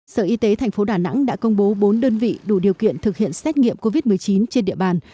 sở y tế thành phố đà nẵng đã công bố bốn đơn vị đủ điều kiện thực hiện xét nghiệm covid một mươi chín trên địa bàn